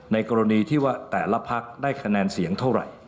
กรณีที่ว่าแต่ละพักได้คะแนนเสียงเท่าไหร่